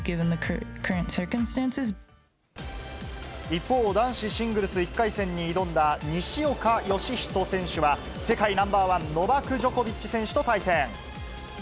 一方、男子シングルス１回戦に挑んだ西岡良仁選手は、世界ナンバー１、ノバク・ジョコビッチ選手と対戦。